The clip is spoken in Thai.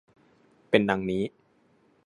เป็นดังนี้